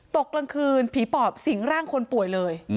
กลางคืนผีปอบสิงร่างคนป่วยเลย